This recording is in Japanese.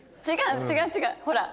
違う違う違う。